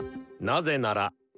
なぜなら。